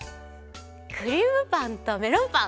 クリームパンとメロンパン。